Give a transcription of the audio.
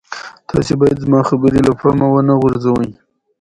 په افغانستان کې لوگر د خلکو د اعتقاداتو سره تړاو لري.